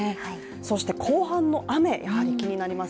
そして後半の雨、やはり気になります。